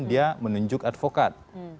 dia menunjuk advokat